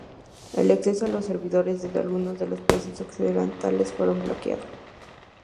El acceso a los servidores desde algunos de los países occidentales fue bloqueado.